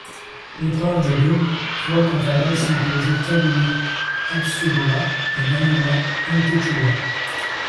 L'épreuve de double voit quant à elle s'imposer Karina Habšudová et Daniela Hantuchová.